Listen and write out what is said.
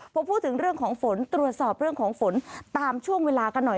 พอพูดถึงเรื่องของฝนตรวจสอบเรื่องของฝนตามช่วงเวลากันหน่อย